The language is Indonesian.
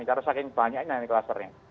karena saking banyaknya nih klasternya